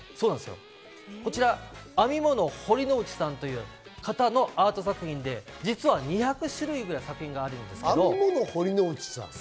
編み物☆堀之内さんという方のアート作品で、２００種類くらいの作品があるんですよ。